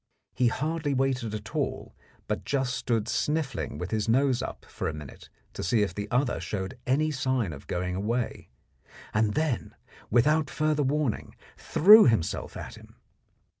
He hardly waited at all, but just stood sniffling with his nose up for a minute to see if the other showed any sign of going away, and then, without further warning, threw himself at him.